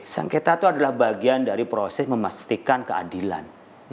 sengketa itu adalah bagian dari proses memastikan keadilan